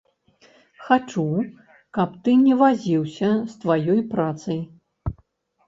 Хачу, каб ты не вазіўся з тваёй працай.